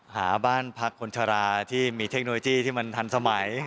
หาบ้านพักคนชะลาที่มีเทคโนโลยีที่มันทันสมัย